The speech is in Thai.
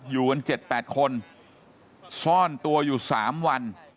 อยู่กัน๗๘คนซ่อนตัวอยู่๓วัน